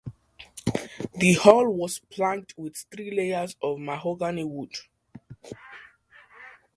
The hull was planked with three layers of mahogany wood.